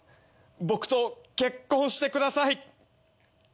僕と結婚してください。